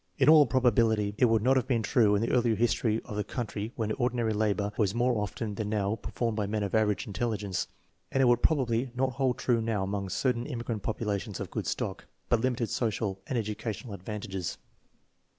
In all probability it would not have been true in the earlier history of the coun try when ordinary labor was more often than now per formed by men of average intelligence, and it would probably not hold true now among certain immigrant populations of good stock, but limited social and educa tional advantages.